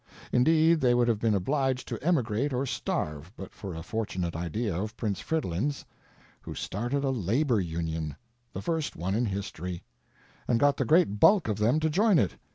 Indeed, they would have been obliged to emigrate or starve but for a fortunate idea of Prince Fridolin's, who started a labor union, the first one in history, and got the great bulk of them to join it.